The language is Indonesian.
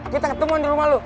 kita ketemuan di rumah lu